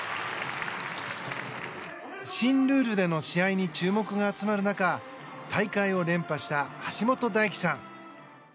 新ルールでの試合に注目が集まる中大会を連覇した橋本大輝さん。